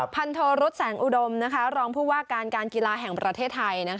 พันโทรุษแสงอุดมรองผู้ว่าการการกีฬาแห่งประเทศไทย